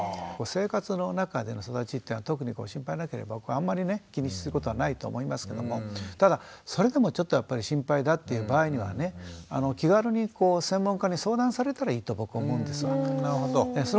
生活の中での育ちっていうのが特にご心配なければあんまりね気にすることはないと思いますけどもただそれでもちょっとやっぱり心配だっていう場合にはね気軽に専門家に相談されたらいいと僕は思うんですよね。